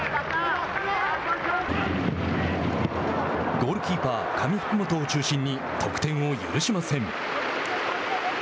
ゴールキーパー、上福元を中心に得点を許しません。